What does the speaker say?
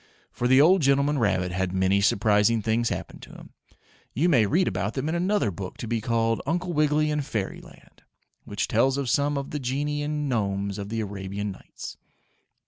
For the old gentleman rabbit had many surprising things happen to him. You may read about them in another book to be called "Uncle Wiggily In Fairyland," which tells of some of the Genii and Gnomes of the Arabian Nights.